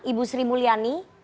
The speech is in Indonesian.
ibu sri mulyani